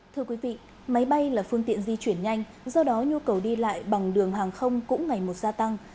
thưa quý vị máy bay là phương tiện di chuyển nhanh do đó nhu cầu đi lại bằng đường hàng không cũng ngày một gia tăng